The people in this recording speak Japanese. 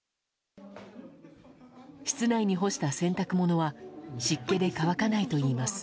室内に干した洗濯物は湿気で乾かないといいます。